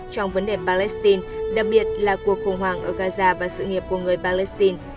trong vấn đề palestine đặc biệt là cuộc khủng hoảng ở gaza và sự nghiệp của người palestine